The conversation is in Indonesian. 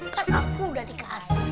kan aku udah dikasih